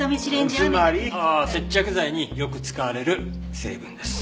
つまり？ああ接着剤によく使われる成分です。